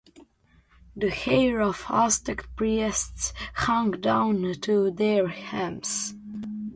The hair of the Aztec priests hung down to their hams.